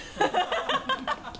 ハハハ